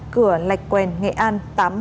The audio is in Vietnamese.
cửa lạch quen nghệ an tám mươi hai